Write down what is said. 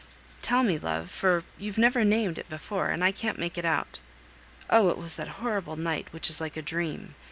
Tell me, love, for you've never named it before, and I can't make it out." "Oh! it was that horrible night which is like a dream."